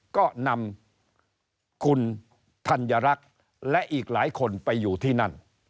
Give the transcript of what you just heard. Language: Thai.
ก็นำคุณธัญรักษ์และอีกหลายคนไปอยู่ที่นั่น